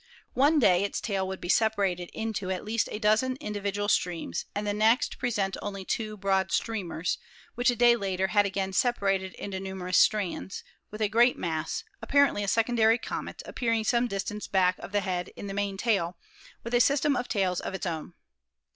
One day its tail would be separated into at least a dozen individual streams and the next present only two broad streamers, which a day later had again sep arated into numerous strands, with a great mass, ap parently a secondary comet, appearing some distance back of the head in the main tail, with a system of tails of its own.